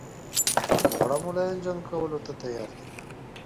دواړه ملایان جنګ کولو ته تیار دي.